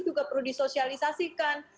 juga perlu disosialisasikan